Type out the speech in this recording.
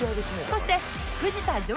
そして藤田譲